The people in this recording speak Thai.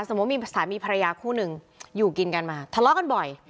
มีสามีภรรยาคู่หนึ่งอยู่กินกันมาทะเลาะกันบ่อย